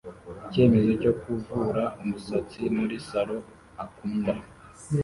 icyemezo cyo kuvura umusatsi muri salon akunda